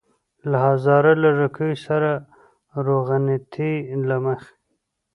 له هزاره لږکیو سره روغنيتۍ له مخې.